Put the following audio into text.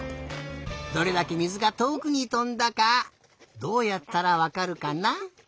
どれだけ水がとおくにとんだかどうやったらわかるかな？